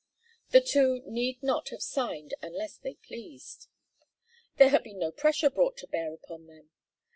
The two need not have signed unless they pleased. There had been no pressure brought to bear upon them.